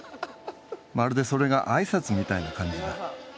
まるでそれが挨拶みたいな感じだ。